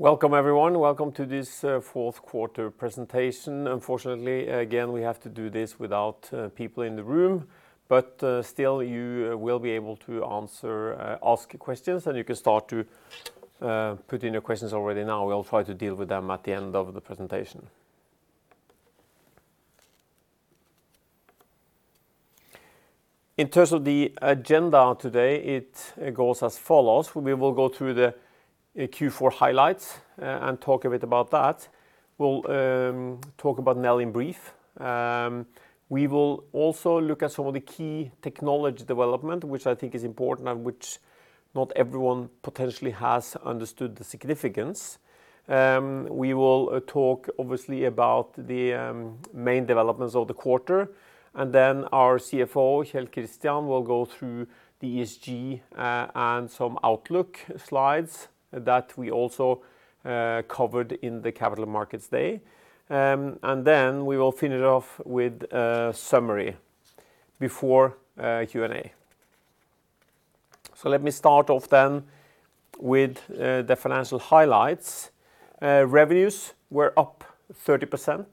Welcome, everyone. Welcome to this fourth quarter presentation. Unfortunately, again, we have to do this without people in the room, but still you will be able to ask questions, and you can start to put in your questions already now. We'll try to deal with them at the end of the presentation. In terms of the agenda today, it goes as follows. We will go through the Q4 highlights and talk a bit about that. We'll talk about Nel in brief. We will also look at some of the key technology development, which I think is important and which not everyone potentially has understood the significance. We will talk obviously about the main developments of the quarter, and then our CFO, Kjell Christian, will go through the ESG and some outlook slides that we also covered in the Capital Markets Day. We will finish off with a summary before Q&A. Let me start off with the financial highlights. Revenues were up 30%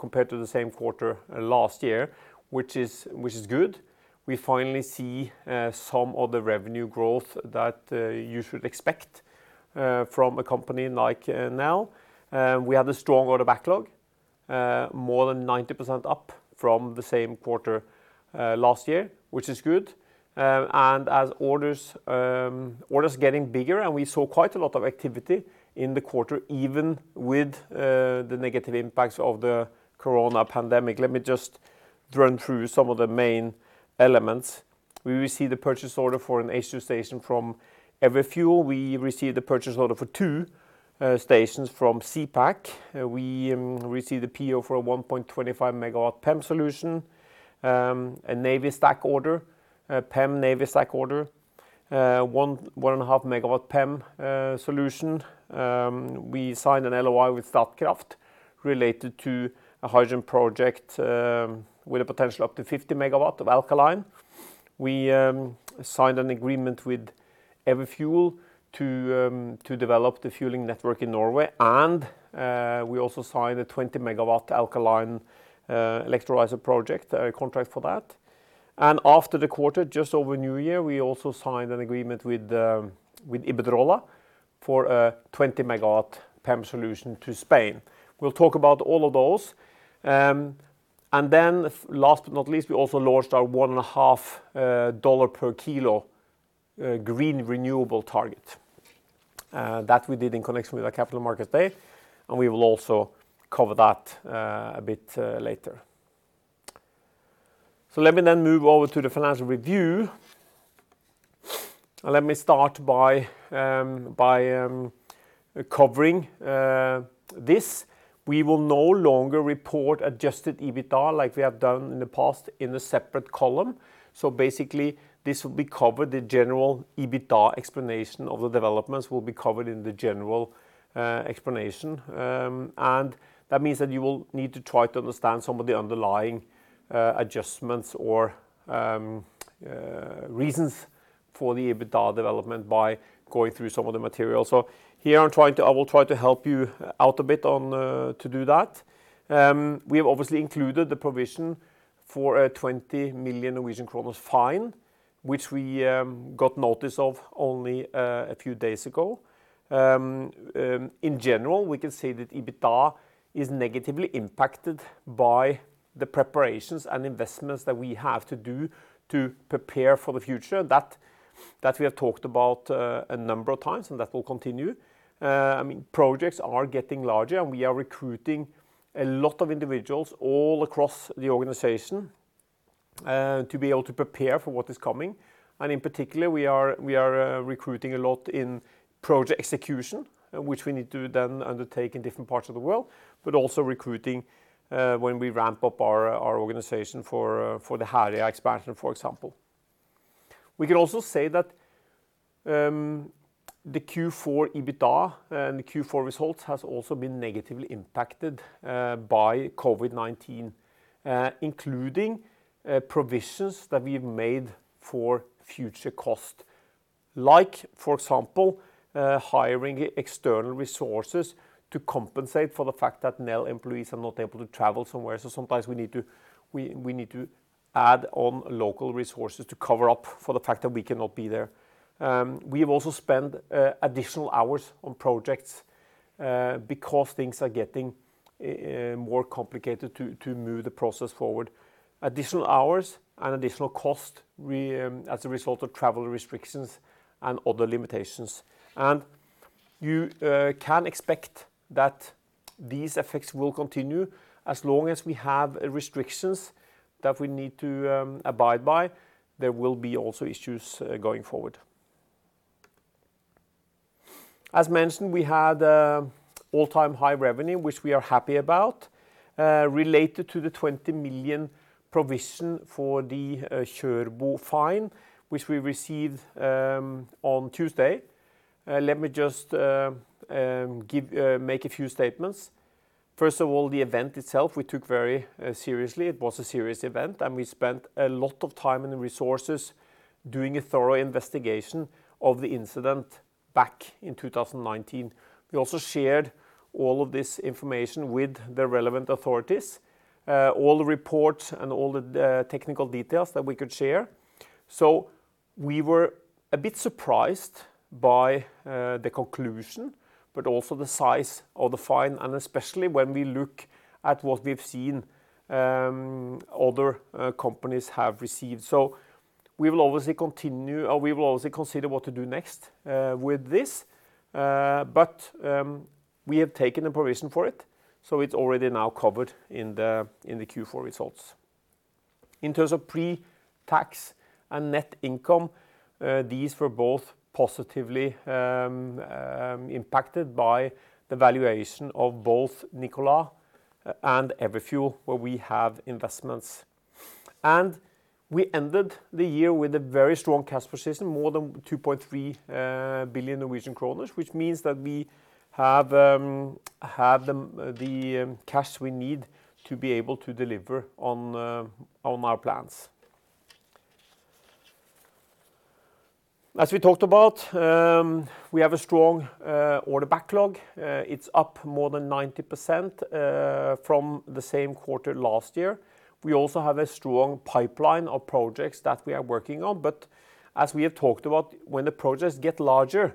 compared to the same quarter last year, which is good. We finally see some of the revenue growth that you should expect from a company like Nel. We have a strong order backlog, more than 90% up from the same quarter last year, which is good. As orders getting bigger, and we saw quite a lot of activity in the quarter, even with the negative impacts of the corona pandemic. Let me just run through some of the main elements. We received the purchase order for an H2 station from Everfuel. We received the purchase order for two stations from ZE PAK. We received the PO for a 1.25 MW PEM solution, a Navy stack order, a PEM Navy stack order, 1.5 MW PEM solution. We signed an LOI with Statkraft related to a hydrogen project with a potential up to 50 MW of alkaline. We signed an agreement with Everfuel to develop the fueling network in Norway. We also signed a 20 MW alkaline electrolyser project, a contract for that. After the quarter, just over New Year, we also signed an agreement with Iberdrola for a 20 MW PEM solution to Spain. We'll talk about all of those. Last but not least, we also launched our $1.5/kg green renewable target. That we did in connection with our Capital Markets Day. We will also cover that a bit later. Let me then move over to the financial review. Let me start by covering this. We will no longer report Adjusted EBITDA like we have done in the past in a separate column. Basically, this will be covered, the general EBITDA explanation of the developments will be covered in the general explanation. That means that you will need to try to understand some of the underlying adjustments or reasons for the EBITDA development by going through some of the material. Here I will try to help you out a bit to do that. We have obviously included the provision for a 20 million Norwegian kroner fine, which we got notice of only a few days ago. In general, we can say that EBITDA is negatively impacted by the preparations and investments that we have to do to prepare for the future. That we have talked about a number of times, and that will continue. Projects are getting larger, and we are recruiting a lot of individuals all across the organization to be able to prepare for what is coming. In particular, we are recruiting a lot in project execution, which we need to then undertake in different parts of the world, but also recruiting when we ramp up our organization for the Herøya expansion, for example. We can also say that the Q4 EBITDA and the Q4 results has also been negatively impacted by COVID-19, including provisions that we've made for future cost. Like for example, hiring external resources to compensate for the fact that Nel employees are not able to travel somewhere. Sometimes we need to add on local resources to cover up for the fact that we cannot be there. We have also spent additional hours on projects because things are getting more complicated to move the process forward. Additional hours and additional cost as a result of travel restrictions and other limitations. You can expect that these effects will continue as long as we have restrictions that we need to abide by, there will be also issues going forward. As mentioned, we had all-time high revenue, which we are happy about related to the 20 million provision for the Kjørbo fine, which we received on Tuesday. Let me just make a few statements. First of all, the event itself, we took very seriously. It was a serious event, and we spent a lot of time and resources doing a thorough investigation of the incident back in 2019. We also shared all of this information with the relevant authorities, all the reports and all the technical details that we could share. We were a bit surprised by the conclusion, but also the size of the fine, and especially when we look at what we've seen other companies have received. We will obviously consider what to do next with this. We have taken a provision for it, so it's already now covered in the Q4 results. In terms of pre-tax and net income, these were both positively impacted by the valuation of both Nikola and Everfuel, where we have investments. We ended the year with a very strong cash position, more than 2.3 billion Norwegian kroner, which means that we have the cash we need to be able to deliver on our plans. As we talked about, we have a strong order backlog. It's up more than 90% from the same quarter last year. We also have a strong pipeline of projects that we are working on. As we have talked about, when the projects get larger,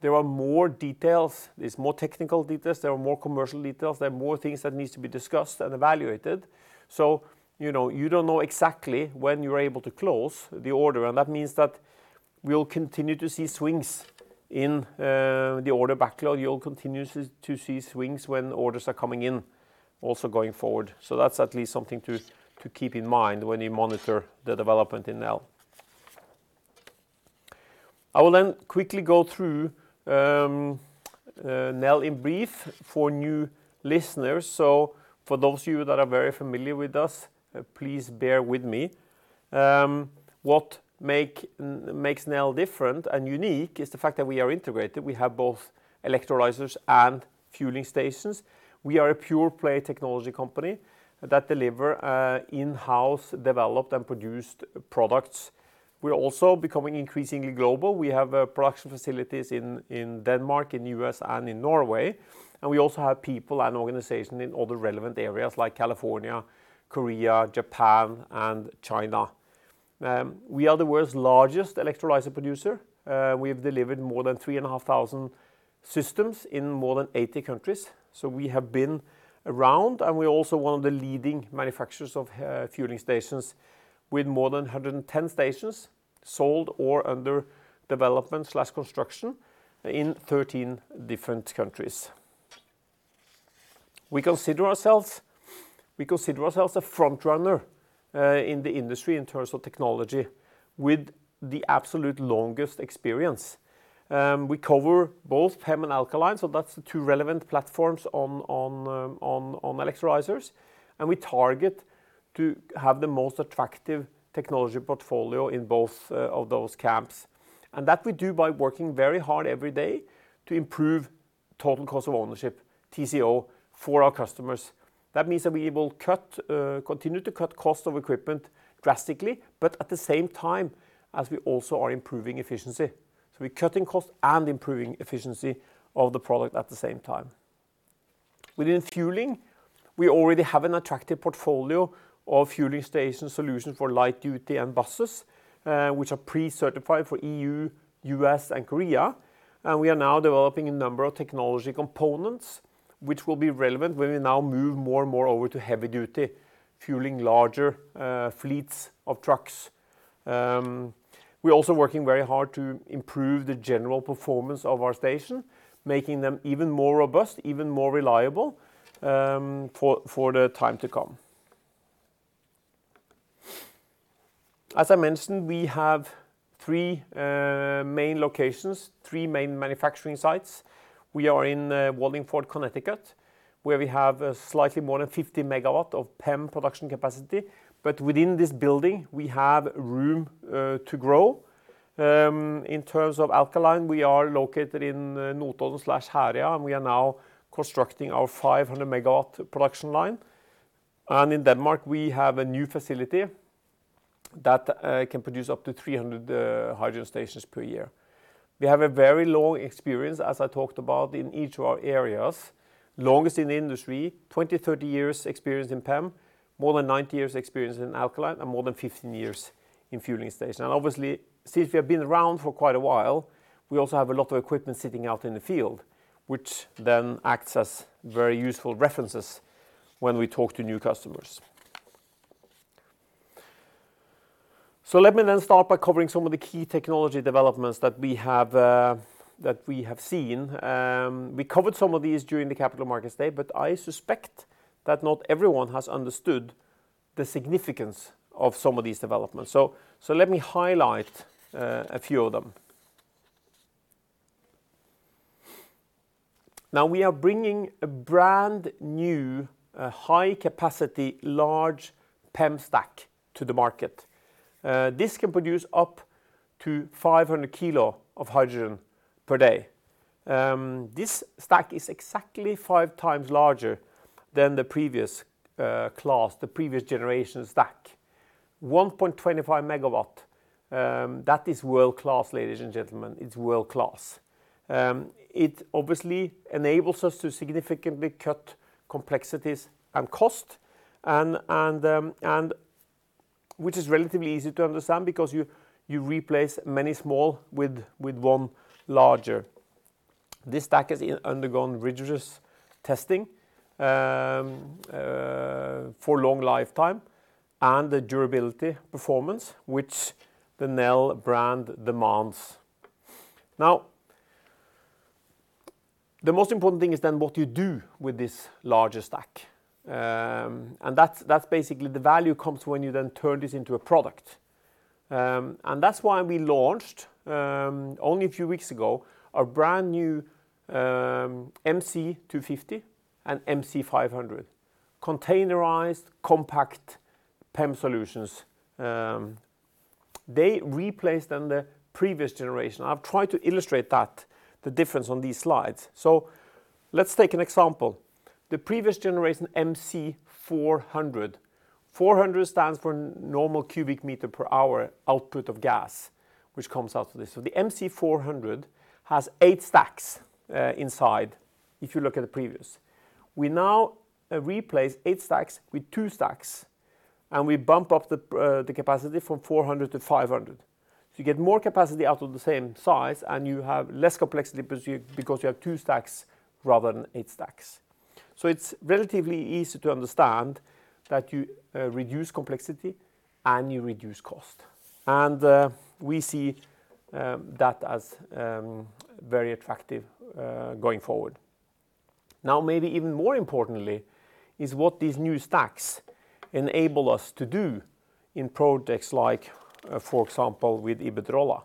there are more details. There's more technical details, there are more commercial details, there are more things that needs to be discussed and evaluated. You don't know exactly when you're able to close the order, and that means that we'll continue to see swings in the order backlog. You'll continue to see swings when orders are coming in also going forward. That's at least something to keep in mind when you monitor the development in Nel. I will quickly go through Nel in brief for new listeners. For those of you that are very familiar with us, please bear with me. What makes Nel different and unique is the fact that we are integrated. We have both electrolysers and fueling stations. We are a pure play technology company that deliver in-house developed and produced products. We're also becoming increasingly global. We have production facilities in Denmark, in U.S., and in Norway, and we also have people and organization in other relevant areas like California, Korea, Japan, and China. We are the world's largest electrolyser producer. We have delivered more than 3,500 systems in more than 80 countries. We have been around, and we're also one of the leading manufacturers of fueling stations with more than 110 stations sold or under development/construction in 13 different countries. We consider ourselves a frontrunner in the industry in terms of technology with the absolute longest experience. We cover both PEM and alkaline, that's the two relevant platforms on electrolysers, and we target to have the most attractive technology portfolio in both of those camps. That we do by working very hard every day to improve total cost of ownership, TCO, for our customers. That means that we will continue to cut cost of equipment drastically, at the same time we also are improving efficiency. We're cutting cost and improving efficiency of the product at the same time. Within fueling, we already have an attractive portfolio of fueling station solutions for light-duty and buses, which are pre-certified for E.U., U.S., and Korea. We are now developing a number of technology components which will be relevant when we now move more and more over to heavy-duty fueling larger fleets of trucks. We're also working very hard to improve the general performance of our station, making them even more robust, even more reliable for the time to come. As I mentioned, we have three main locations, three main manufacturing sites. We are in Wallingford, Connecticut, where we have a slightly more than 50 MW of PEM production capacity. Within this building, we have room to grow. In terms of alkaline, we are located in Notodden/Herøya, and we are now constructing our 500 MW production line. In Denmark, we have a new facility that can produce up to 300 hydrogen stations per year. We have a very long experience, as I talked about, in each of our areas. Longest in the industry, 20, 30 years experience in PEM, more than 90 years experience in alkaline, and more than 15 years in fueling stations. Obviously, since we have been around for quite a while, we also have a lot of equipment sitting out in the field, which then acts as very useful references when we talk to new customers. Let me then start by covering some of the key technology developments that we have seen. We covered some of these during the Capital Markets Day, but I suspect that not everyone has understood the significance of some of these developments. Let me highlight a few of them. We are bringing a brand-new, high-capacity, large PEM stack to the market. This can produce up to 500 kg of hydrogen per day. This stack is exactly 5x larger than the previous class, the previous generation stack. 1.25 MW, that is world-class, ladies and gentlemen. It's world-class. It obviously enables us to significantly cut complexities and cost, which is relatively easy to understand because you replace many small with one larger. This stack has undergone rigorous testing for long lifetime and the durability performance, which the Nel brand demands. The most important thing is then what you do with this larger stack. That's basically the value comes when you then turn this into a product. That's why we launched, only a few weeks ago, our brand new MC250 and MC500 containerized compact PEM solutions. They replaced then the previous generation. I've tried to illustrate that, the difference on these slides. Let's take an example. The previous generation, MC400. 400 stands for normal cubic meter per hour output of gas, which comes out of this. The MC400 has eight stacks inside, if you look at the previous. We now replace eight stacks with two stacks, and we bump up the capacity from 400 to 500. You get more capacity out of the same size, and you have less complexity because you have two stacks rather than eight stacks. It's relatively easy to understand that you reduce complexity and you reduce cost. We see that as very attractive going forward. Now, maybe even more importantly is what these new stacks enable us to do in projects like, for example, with Iberdrola.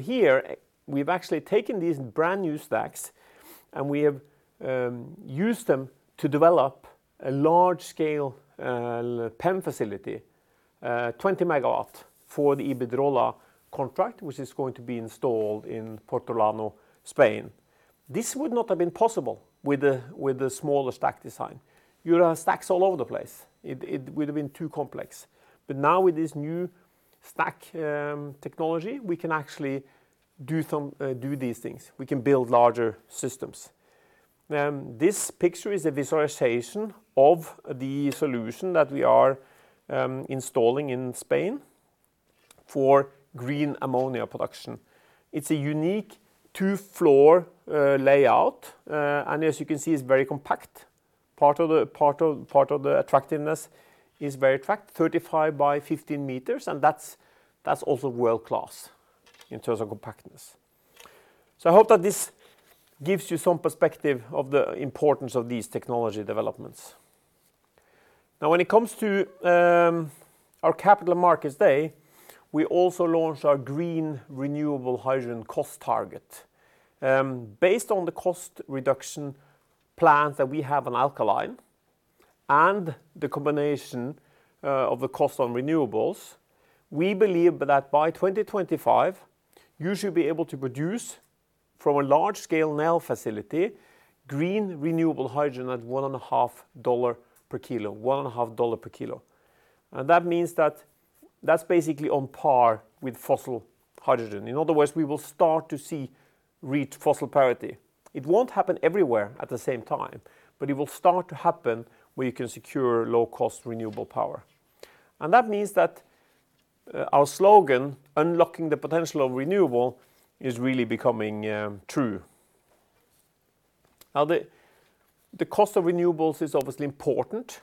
Here, we've actually taken these brand-new stacks, and we have used them to develop a large-scale PEM facility, 20 MW, for the Iberdrola contract, which is going to be installed in Puertollano, Spain. This would not have been possible with the smaller stack design. You'd have stacks all over the place. It would've been too complex. Now with this new stack technology, we can actually do these things. We can build larger systems. This picture is a visualization of the solution that we are installing in Spain for green ammonia production. It's a unique two-floor layout, and as you can see, it's very compact. Part of the attractiveness is 35 m x 15 m, that's also world-class in terms of compactness. I hope that this gives you some perspective of the importance of these technology developments. When it comes to our Capital Markets Day, we also launched our green renewable hydrogen cost target. Based on the cost reduction plan that we have on alkaline and the combination of the cost on renewables, we believe that by 2025, you should be able to produce, from a large-scale Nel facility, green renewable hydrogen at $1.5/kg. That means that that's basically on par with fossil hydrogen. In other words, we will start to reach fossil parity. It won't happen everywhere at the same time, it will start to happen where you can secure low-cost renewable power. That means that our slogan, "Unlocking the potential of renewable," is really becoming true. The cost of renewables is obviously important.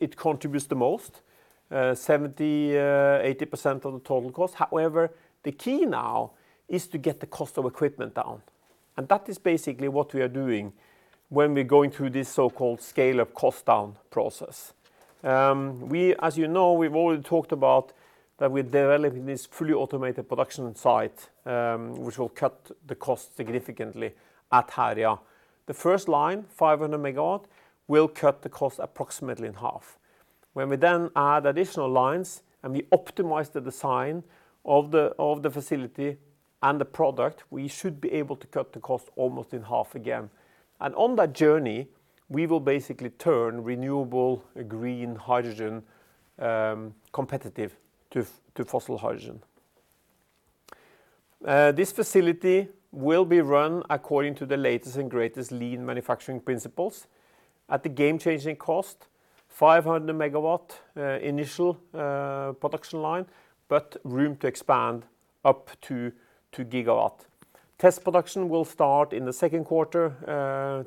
It contributes the most, 70%-80% of the total cost. However, the key now is to get the cost of equipment down, and that is basically what we are doing when we're going through this so-called scale of cost down process. As you know, we've already talked about that we're developing this fully automated production site, which will cut the cost significantly at Herøya. The first line, 500 MW, will cut the cost approximately in half. When we then add additional lines and we optimize the design of the facility and the product, we should be able to cut the cost almost in half again. On that journey, we will basically turn renewable green hydrogen competitive to fossil hydrogen. This facility will be run according to the latest and greatest lean manufacturing principles at the game-changing cost, 500 MW initial production line, but room to expand up to 2 GW. Test production will start in the second quarter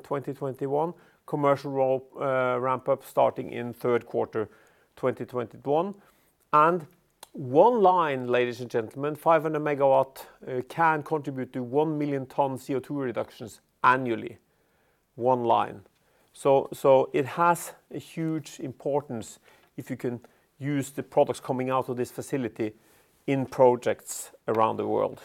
2021. Commercial ramp-up starting in third quarter 2021. One line, ladies and gentlemen, 500 MW, can contribute to 1 million tons CO2 reductions annually. One line. It has a huge importance if you can use the products coming out of this facility in projects around the world.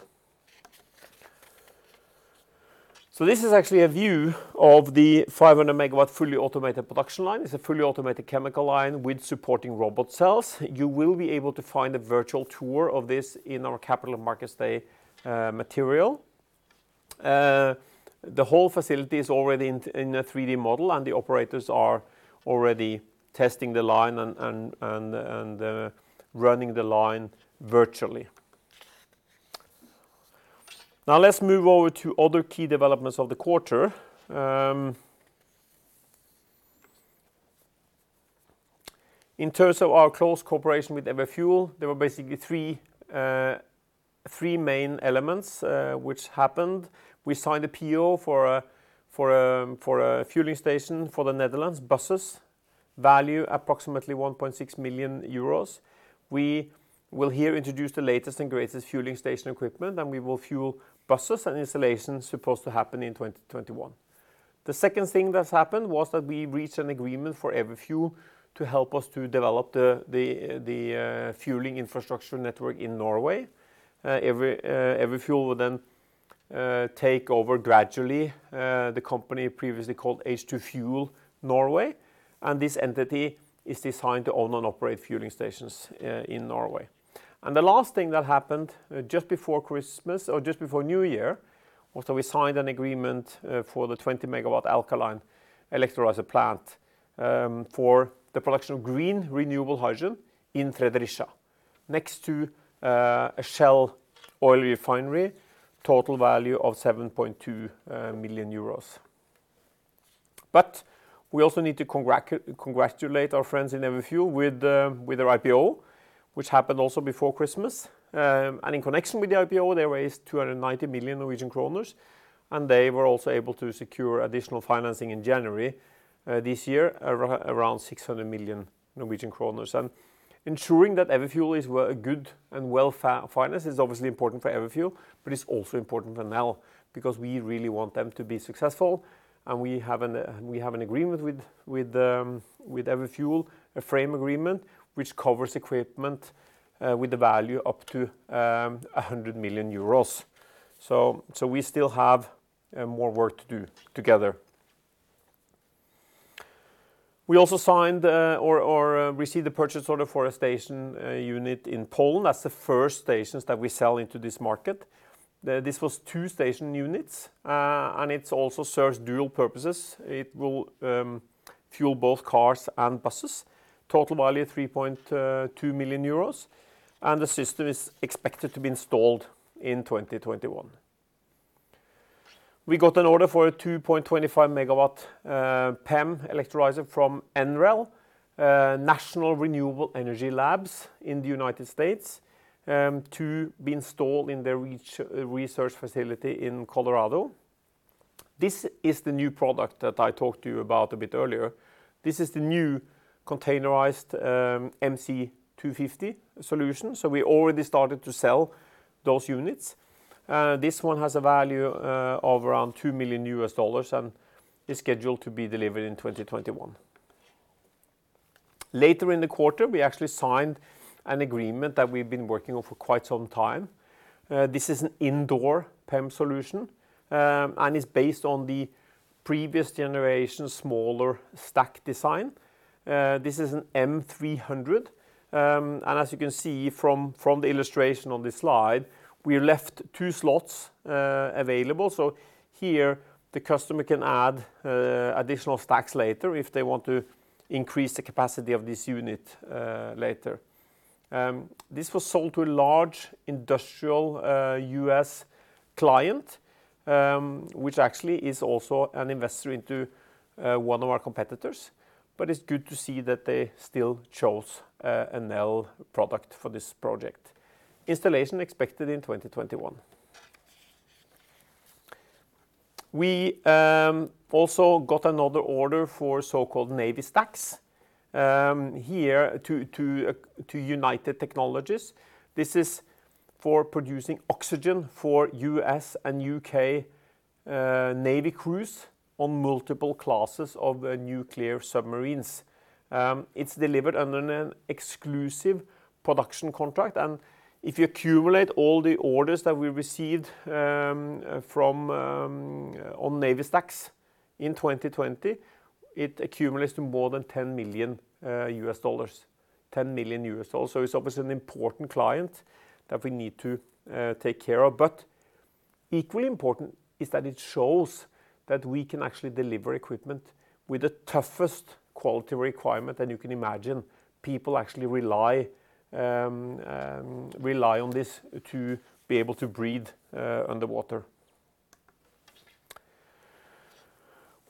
This is actually a view of the 500 MW fully automated production line. It's a fully automated chemical line with supporting robot cells. You will be able to find a virtual tour of this in our Capital Markets Day material. The whole facility is already in a 3D model, and the operators are already testing the line and running the line virtually. Now let's move over to other key developments of the quarter. In terms of our close cooperation with Everfuel, there were basically three main elements which happened. We signed a PO for a fueling station for the Netherlands buses, value approximately 1.6 million euros. We will here introduce the latest and greatest fueling station equipment, and we will fuel buses, and installation is supposed to happen in 2021. The second thing that's happened was that we reached an agreement for Everfuel to help us to develop the fueling infrastructure network in Norway. Everfuel will then take over, gradually, the company previously called H2 Fuel Norway, and this entity is designed to own and operate fueling stations in Norway. The last thing that happened just before New Year, was that we signed an agreement for the 20 MW alkaline electrolyser plant for the production of green renewable hydrogen in Fredericia, next to a Shell oil refinery, total value of 7.2 million euros. We also need to congratulate our friends in Everfuel with their IPO, which happened also before Christmas. In connection with the IPO, they raised 290 million Norwegian kroner, and they were also able to secure additional financing in January this year, around 600 million Norwegian kroner. Ensuring that Everfuel is good and well-financed is obviously important for Everfuel, but it is also important for Nel because we really want them to be successful, and we have an agreement with Everfuel, a frame agreement, which covers equipment with the value up to 100 million euros. So we still have more work to do together. We also signed or received a purchase order for a station unit in Poland. That's the first stations that we sell into this market. This was two station units, and it also serves dual purposes. It will fuel both cars and buses. Total value, 3.2 million euros, and the system is expected to be installed in 2021. We got an order for a 2.25 MW PEM electrolyser from NREL, National Renewable Energy Laboratory in the United States, to be installed in their research facility in Colorado. This is the new product that I talked to you about a bit earlier. This is the new containerized MC250 solution. We already started to sell those units. This one has a value of around $2 million and is scheduled to be delivered in 2021. Later in the quarter, we actually signed an agreement that we've been working on for quite some time. This is an indoor PEM solution. It's based on the previous generation's smaller stack design. This is an MC300. As you can see from the illustration on this slide, we left two slots available. Here, the customer can add additional stacks later if they want to increase the capacity of this unit later. This was sold to a large industrial U.S. client, which actually is also an investor into one of our competitors. It's good to see that they still chose a Nel product for this project. Installation expected in 2021. We also got another order for so-called Navy stacks. Here, to United Technologies. This is for producing oxygen for U.S. and U.K. Navy crews on multiple classes of nuclear submarines. It's delivered under an exclusive production contract. If you accumulate all the orders that we received on Navy stacks in 2020, it accumulates to more than $10 million. It's obviously an important client that we need to take care of. Equally important is that it shows that we can actually deliver equipment with the toughest quality requirement than you can imagine. People actually rely on this to be able to breathe underwater.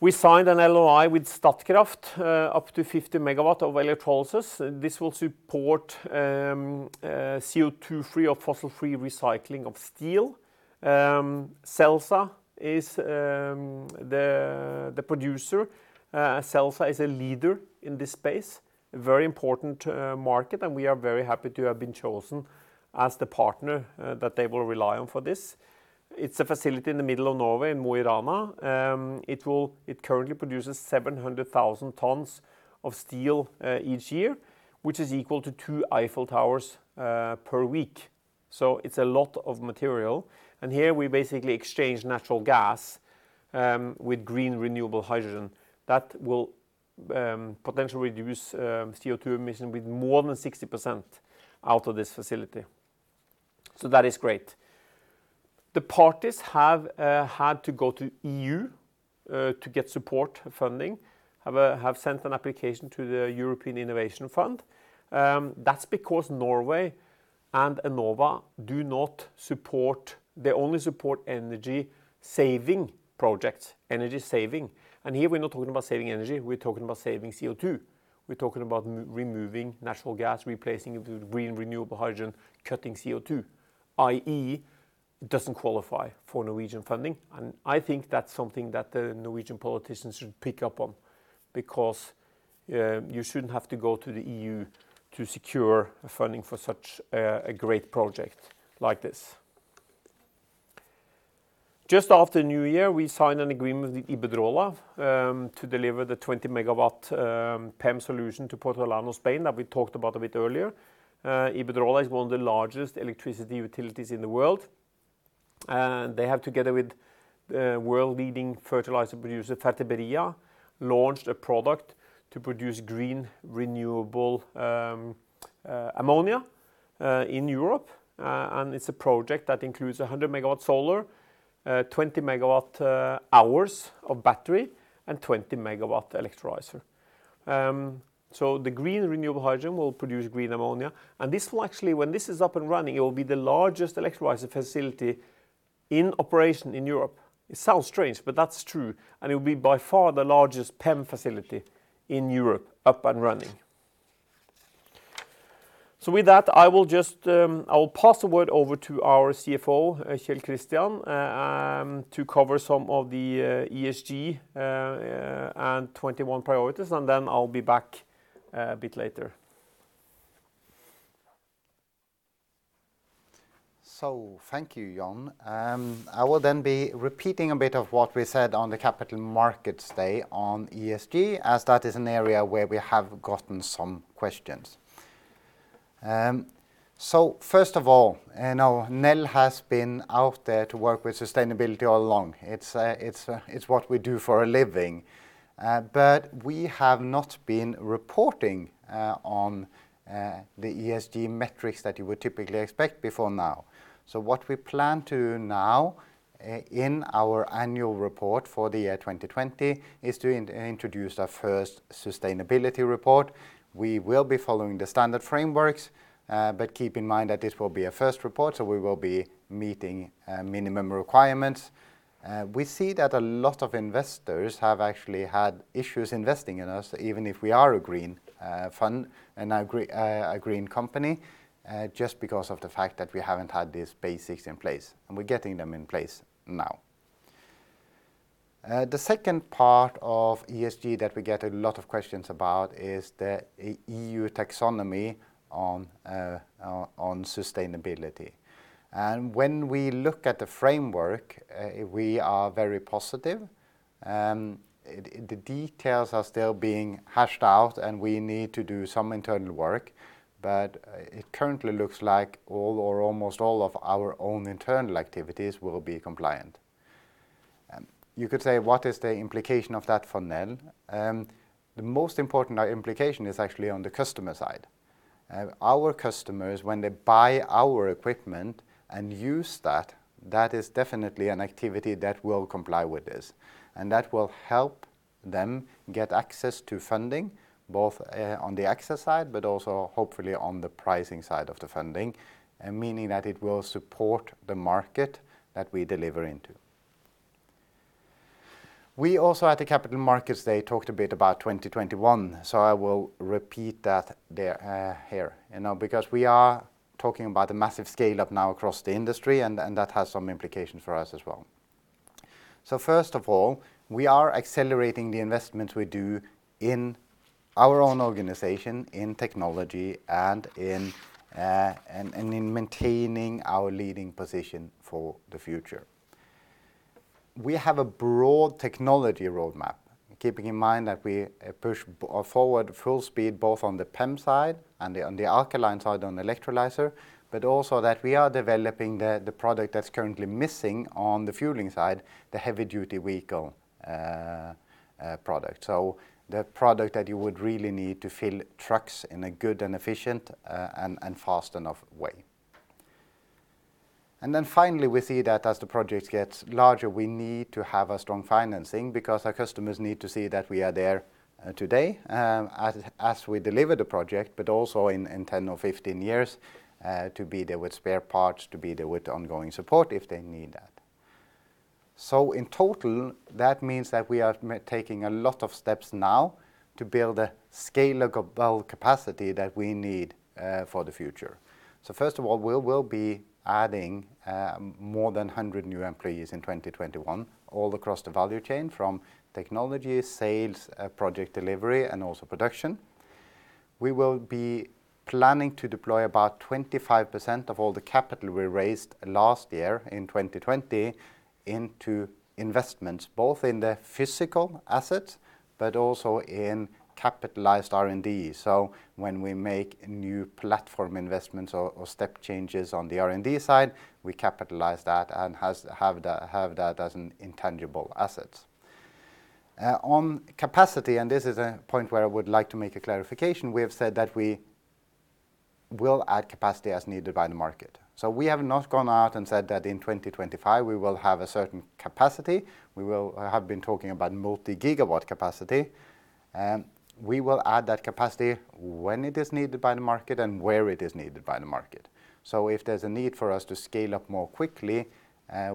We signed an LOI with Statkraft up to 50 MW of electrolysis. This will support CO2-free or fossil-free recycling of steel. Celsa is the producer. Celsa is a leader in this space. A very important market. We are very happy to have been chosen as the partner that they will rely on for this. It's a facility in the middle of Norway, Mo i Rana. It currently produces 700,000 tons of steel each year, which is equal to two Eiffel Towers per week. It's a lot of material, and here we basically exchange natural gas with green renewable hydrogen that will potentially reduce CO2 emission with more than 60% out of this facility. That is great. The parties have had to go to E.U. to get support funding, have sent an application to the European Innovation Fund. That's because Norway and Enova, they only support energy-saving projects. Energy saving. Here we're not talking about saving energy, we're talking about saving CO2. We're talking about removing natural gas, replacing it with green renewable hydrogen, cutting CO2, i.e., doesn't qualify for Norwegian funding. I think that's something that the Norwegian politicians should pick up on because you shouldn't have to go to the E.U. to secure funding for such a great project like this. Just after New Year, we signed an agreement with Iberdrola to deliver the 20 MW PEM solution to Puertollano, Spain, that we talked about a bit earlier. Iberdrola is one of the largest electricity utilities in the world. They have, together with world-leading fertilizer producer Fertiberia, launched a product to produce green, renewable ammonia in Europe. It is a project that includes 100 MW solar, 20 MW hours of battery, and 20 MW electrolyser. The green renewable hydrogen will produce green ammonia. When this is up and running, it will be the largest electrolyser facility in operation in Europe. It sounds strange, but that is true. It will be by far the largest PEM facility in Europe up and running. With that, I will pass the word over to our CFO, Kjell Christian, to cover some of the ESG and 2021 priorities. Then I will be back a bit later. Thank you, Jon. I will then be repeating a bit of what we said on the Capital Markets Day on ESG, as that is an area where we have gotten some questions. First of all, Nel has been out there to work with sustainability all along. It's what we do for a living. We have not been reporting on the ESG metrics that you would typically expect before now. What we plan to now in our annual report for the year 2020 is to introduce our first sustainability report. We will be following the standard frameworks, but keep in mind that this will be a first report, so we will be meeting minimum requirements. We see that a lot of investors have actually had issues investing in us, even if we are a green fund and a green company, just because of the fact that we haven't had these basics in place, and we're getting them in place now. The second part of ESG that we get a lot of questions about is the E.U. Taxonomy on sustainability. When we look at the framework, we are very positive. The details are still being hashed out, and we need to do some internal work, but it currently looks like all or almost all of our own internal activities will be compliant. You could say, what is the implication of that for Nel? The most important implication is actually on the customer side. Our customers, when they buy our equipment and use that is definitely an activity that will comply with this. That will help them get access to funding, both on the access side, but also hopefully on the pricing side of the funding, meaning that it will support the market that we deliver into. We also at the Capital Markets Day talked a bit about 2021. I will repeat that here. We are talking about a massive scale-up now across the industry. That has some implications for us as well. First of all, we are accelerating the investments we do in our own organization, in technology, and in maintaining our leading position for the future. We have a broad technology roadmap, keeping in mind that we push forward full speed, both on the PEM side and on the alkaline side, on the electrolyser, but also that we are developing the product that's currently missing on the fueling side, the heavy-duty vehicle product. The product that you would really need to fill trucks in a good and efficient and fast enough way. Finally, we see that as the projects get larger, we need to have a strong financing because our customers need to see that we are there today as we deliver the project, but also in 10 or 15 years to be there with spare parts, to be there with ongoing support if they need that. In total, that means that we are taking a lot of steps now to build a scalable capacity that we need for the future. First of all, we will be adding more than 100 new employees in 2021 all across the value chain from technology, sales, project delivery, and also production. We will be planning to deploy about 25% of all the capital we raised last year in 2020 into investments, both in the physical assets, but also in capitalized R&D. When we make new platform investments or step changes on the R&D side, we capitalize that and have that as an intangible asset. On capacity, and this is a point where I would like to make a clarification, we have said that we will add capacity as needed by the market. We have not gone out and said that in 2025 we will have a certain capacity. We have been talking about multi-gigawatt capacity. We will add that capacity when it is needed by the market and where it is needed by the market. If there's a need for us to scale up more quickly,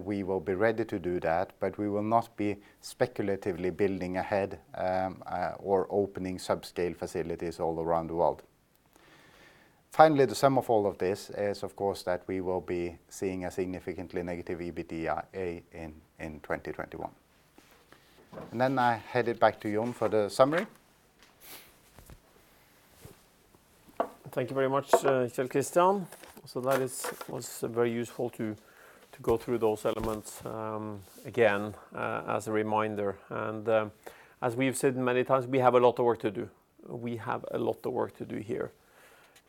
we will be ready to do that, but we will not be speculatively building ahead or opening subscale facilities all around the world. Finally, the sum of all of this is, of course, that we will be seeing a significantly negative EBITDA in 2021. I hand it back to Jon for the summary. Thank you very much, Kjell Christian. That was very useful to go through those elements again as a reminder. As we've said many times, we have a lot of work to do. We have a lot of work to do here,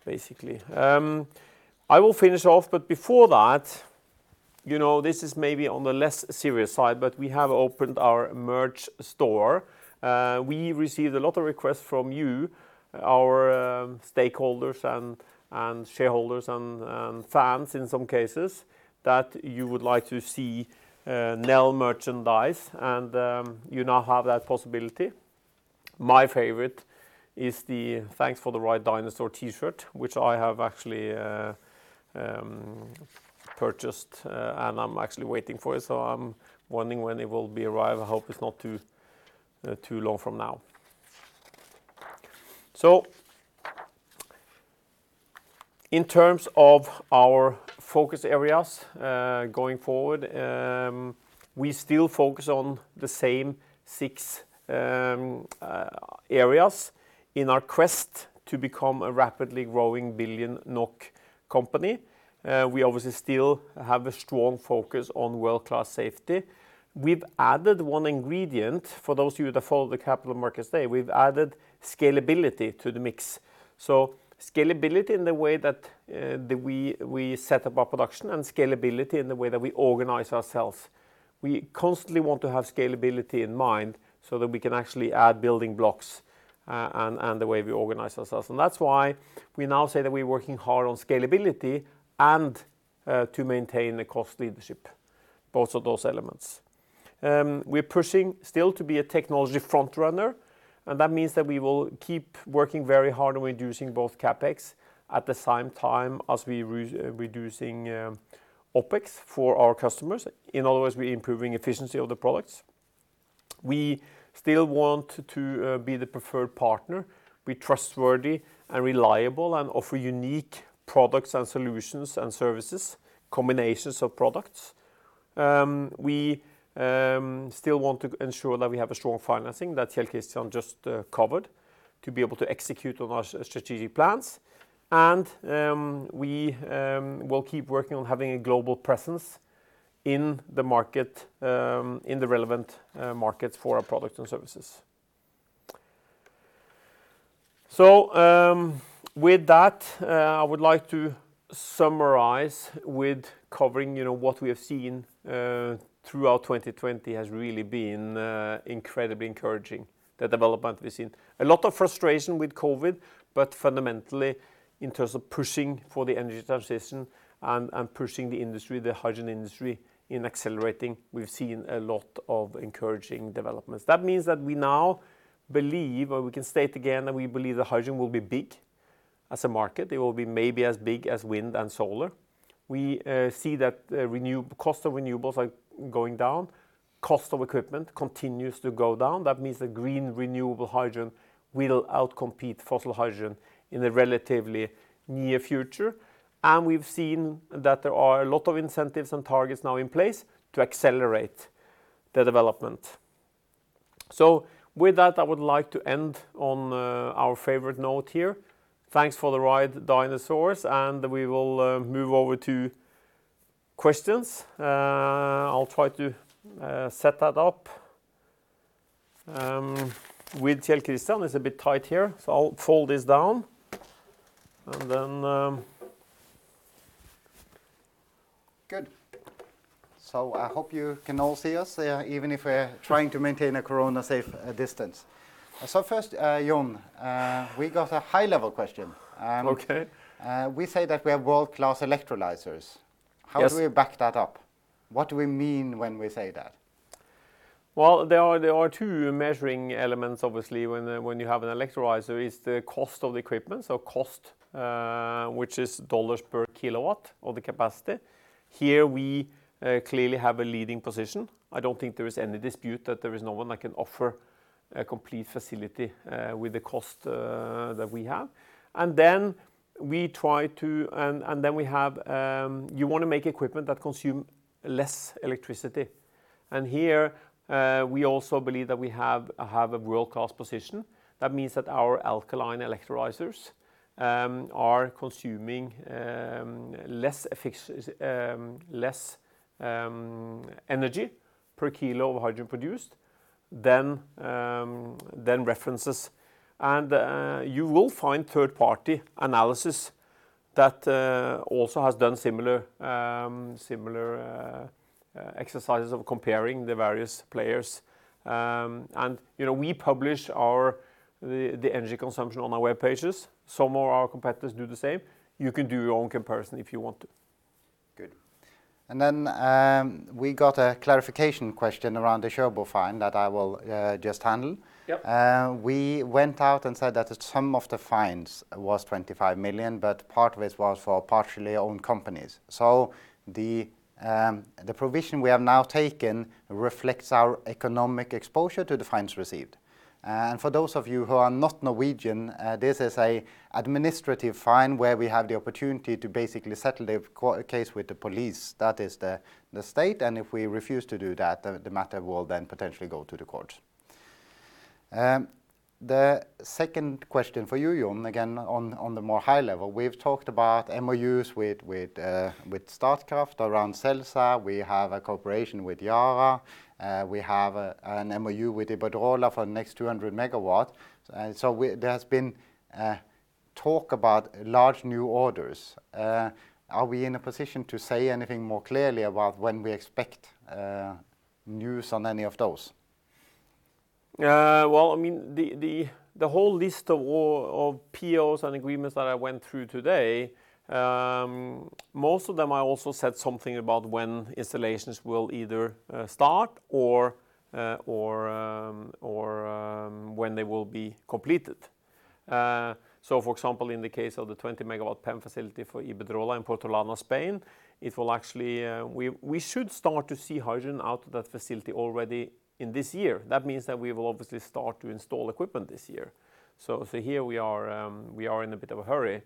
basically. I will finish off, but before that, this is maybe on the less serious side, we have opened our merch store. We received a lot of requests from you, our stakeholders and shareholders and fans in some cases, that you would like to see Nel merchandise and you now have that possibility. My favorite is the "Thanks for the ride, dinosaur" T-shirt, which I have actually purchased and I'm actually waiting for it. I'm wondering when it will be arrive. I hope it's not too long from now. In terms of our focus areas going forward, we still focus on the same six areas in our quest to become a rapidly growing billion NOK company. We obviously still have a strong focus on world-class safety. We've added one ingredient for those of you that follow the capital markets today, we've added scalability to the mix. Scalability in the way that we set up our production and scalability in the way that we organize ourselves. We constantly want to have scalability in mind so that we can actually add building blocks and the way we organize ourselves. That's why we now say that we're working hard on scalability and to maintain the cost leadership, both of those elements. We're pushing still to be a technology front runner, that means that we will keep working very hard on reducing both CapEx at the same time as we reducing OpEx for our customers. In other words, we're improving efficiency of the products. We still want to be the preferred partner, be trustworthy and reliable and offer unique products and solutions and services, combinations of products. We still want to ensure that we have a strong financing that Kjell Christian just covered to be able to execute on our strategic plans. We will keep working on having a global presence in the relevant markets for our products and services. With that, I would like to summarize with covering what we have seen throughout 2020 has really been incredibly encouraging, the development we've seen. A lot of frustration with COVID, but fundamentally in terms of pushing for the energy transition and pushing the industry, the hydrogen industry in accelerating, we've seen a lot of encouraging developments. That means that we now believe, or we can state again, that we believe that hydrogen will be big as a market. It will be maybe as big as wind and solar. We see that cost of renewables are going down, cost of equipment continues to go down. That means that green renewable hydrogen will outcompete fossil hydrogen in the relatively near future. We've seen that there are a lot of incentives and targets now in place to accelerate the development. With that, I would like to end on our favorite note here. Thanks for the ride, dinosaurs, and we will move over to questions. I'll try to set that up with Kjell Christian. It's a bit tight here, so I'll fold this down and then. Good. I hope you can all see us even if we're trying to maintain a corona safe distance. First, Jon, we got a high level question. Okay. We say that we have world-class electrolysers. Yes. How do we back that up? What do we mean when we say that? Well, there are two measuring elements, obviously, when you have an electrolyser is the cost of the equipment. Cost, which is dollars per kilowatt of the capacity. Here we clearly have a leading position. I don't think there is any dispute that there is no one that can offer a complete facility with the cost that we have. Then you want to make equipment that consume less electricity. Here, we also believe that we have a world-class position. That means that our alkaline electrolysers are consuming less energy per kilo of hydrogen produced than references. You will find third-party analysis that also has done similar exercises of comparing the various players. We publish the energy consumption on our web pages. Some of our competitors do the same. You can do your own comparison if you want to. Good. We got a clarification question around the Kjørbo fine that I will just handle. Yep. We went out and said that the sum of the fines was 25 million, but part of it was for partially owned companies. The provision we have now taken reflects our economic exposure to the fines received. For those of you who are not Norwegian, this is an administrative fine where we have the opportunity to basically settle the case with the police, that is the state. If we refuse to do that, the matter will then potentially go to the court. The second question for you, Jon, again, on the more high level. We've talked about MOUs with Statkraft around Celsa. We have a cooperation with Yara. We have an MOU with Iberdrola for the next 200 MW. There has been talk about large new orders. Are we in a position to say anything more clearly about when we expect news on any of those? Well, the whole list of POs and agreements that I went through today, most of them I also said something about when installations will either start or when they will be completed. For example, in the case of the 20 MW PEM facility for Iberdrola in Puertollano, Spain, we should start to see hydrogen out of that facility already in this year. That means that we will obviously start to install equipment this year. Here we are in a bit of a hurry.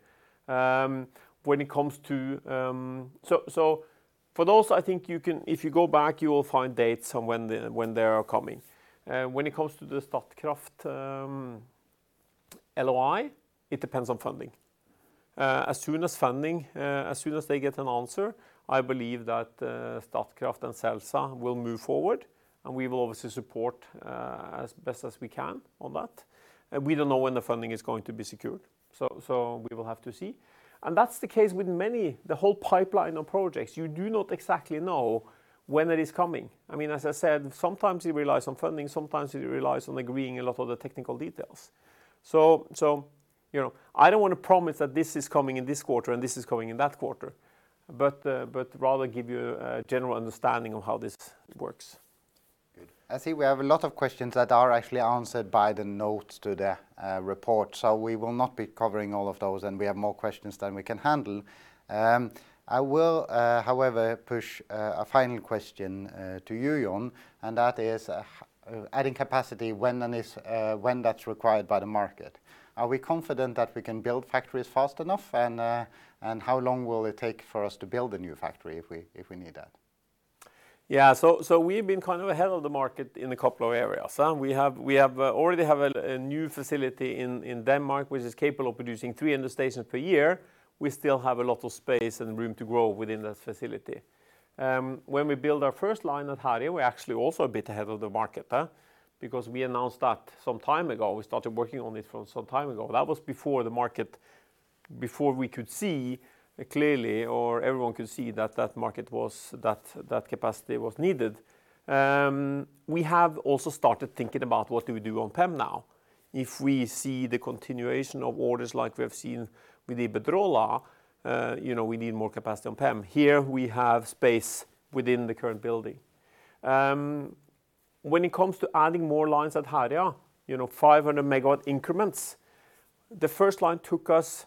For those, I think if you go back, you will find dates on when they are coming. When it comes to the Statkraft LOI, it depends on funding. As soon as they get an answer, I believe that Statkraft and Celsa will move forward, and we will obviously support as best as we can on that. We don't know when the funding is going to be secured, so we will have to see. That's the case with the whole pipeline of projects. You do not exactly know when it is coming. As I said, sometimes it relies on funding, sometimes it relies on agreeing a lot of the technical details. I don't want to promise that this is coming in this quarter and this is coming in that quarter, but rather give you a general understanding of how this works. Good. I see we have a lot of questions that are actually answered by the notes to the report, so we will not be covering all of those, and we have more questions than we can handle. I will, however, push a final question to you, Jon, and that is adding capacity when that's required by the market. Are we confident that we can build factories fast enough, and how long will it take for us to build a new factory if we need that? Yeah. We've been ahead of the market in a couple of areas. We already have a new facility in Denmark, which is capable of producing 300 stations per year. We still have a lot of space and room to grow within that facility. When we build our first line at Herøya, we're actually also a bit ahead of the market because we announced that some time ago. We started working on it some time ago. That was before we could see clearly, or everyone could see that that capacity was needed. We have also started thinking about what do we do on PEM now. If we see the continuation of orders like we have seen with Iberdrola, we need more capacity on PEM. Here we have space within the current building. When it comes to adding more lines at Herøya, 500 MW increments, the first line took us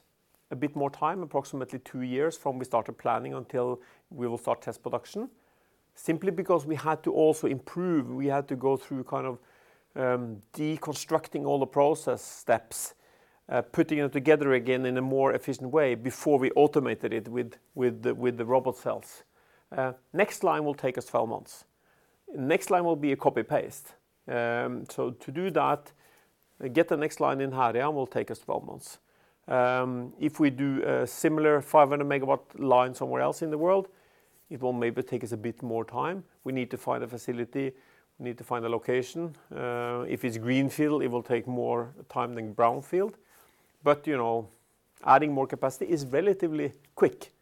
a bit more time, approximately two years from we started planning until we will start test production, simply because we had to also improve. We had to go through deconstructing all the process steps, putting them together again in a more efficient way before we automated it with the robot cells. Next line will take us 12 months. Next line will be a copy-paste. To do that, get the next line in Herøya will take us 12 months. If we do a similar 500 MW line somewhere else in the world, it will maybe take us a bit more time. We need to find a facility. We need to find a location. If it's greenfield, it will take more time than brownfield. Adding more capacity is relatively quick.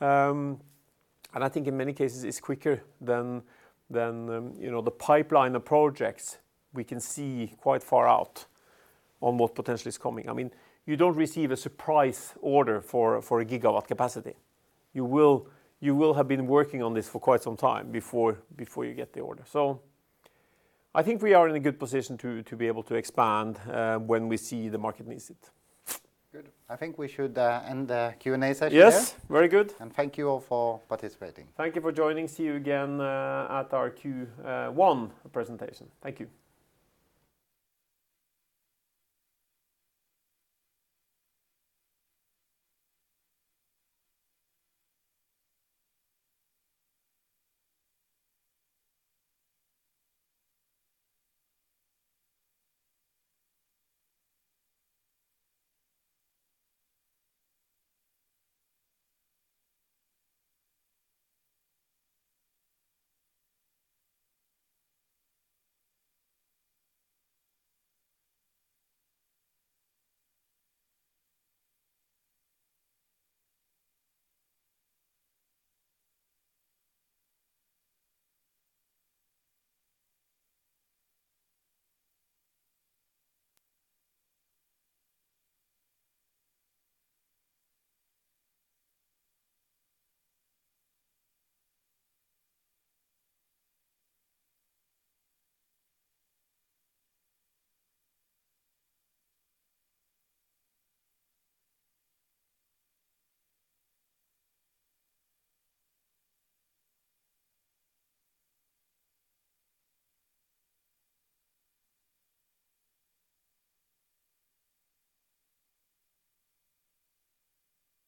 I think in many cases it's quicker than the pipeline of projects we can see quite far out on what potentially is coming. You don't receive a surprise order for a gigawatt capacity. You will have been working on this for quite some time before you get the order. I think we are in a good position to be able to expand when we see the market needs it. Good. I think we should end the Q&A session there. Yes. Very good. Thank you all for participating. Thank you for joining. See you again at our Q1 presentation. Thank you.